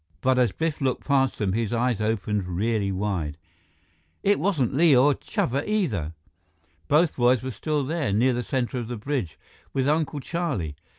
But as Biff looked past them, his eyes opened really wide. It wasn't Li or Chuba either! Both boys were still there, near the center of the bridge, with Uncle Charlie!